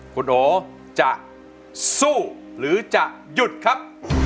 คุณโอจะสู้หรือจะหยุดครับ